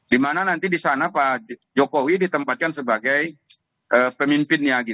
dimana nanti di sana pak jokowi ditempatkan sebagai pemimpinnya